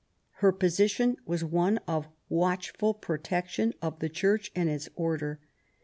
Her position was one of watchful protection of the Church and its order.